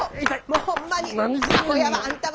もうホンマにアホやわあんたは！